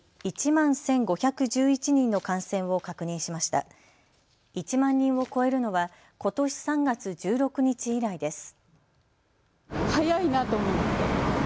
１万人を超えるのはことし３月１６日以来です。